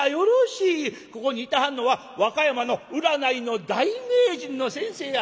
ここにいてはんのは和歌山の占いの大名人の先生や。